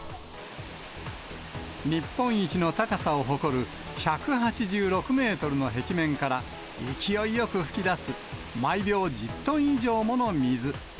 日本一の高さを誇る１８６メートルの壁面から、勢いよく噴き出す、毎秒１０トン以上もの水。